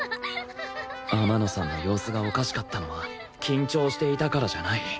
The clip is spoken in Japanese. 天野さんの様子がおかしかったのは緊張していたからじゃない